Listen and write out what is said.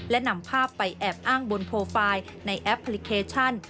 และนำภาพไปแอบอ้างบนโปรไฟล์ในแอปพลิเคชัน